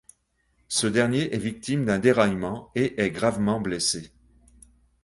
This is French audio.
Ce dernier est victime d'un déraillement et est gravement blessé.